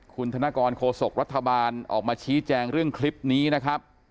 คุณธนกรโคศกรัฐบาลออกมาชี้แจงเรื่องคลิปนี้นะครับ